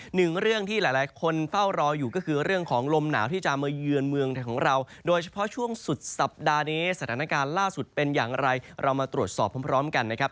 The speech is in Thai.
หนึ่งเรื่องที่หลายคนเฝ้ารออยู่ก็คือเรื่องของลมหนาวที่จะมาเยือนเมืองไทยของเราโดยเฉพาะช่วงสุดสัปดาห์นี้สถานการณ์ล่าสุดเป็นอย่างไรเรามาตรวจสอบพร้อมกันนะครับ